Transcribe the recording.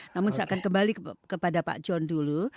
namun saya akan kembali kepada pak john dulu